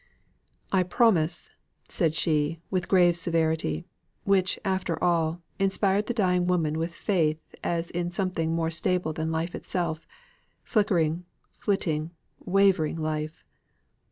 "I promise," said she, with grave severity; which, after all, inspired the dying woman with faith as in something more stable than life itself, flickering, flittering, wavering life!